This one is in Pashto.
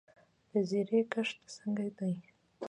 د زیرې کښت څنګه دی؟